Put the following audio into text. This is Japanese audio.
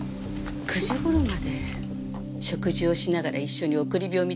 ９時頃まで食事をしながら一緒に送り火を見てました。